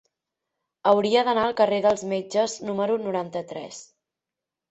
Hauria d'anar al carrer dels Metges número noranta-tres.